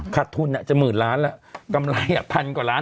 ทุนจะหมื่นล้านแล้วกำไรพันกว่าล้าน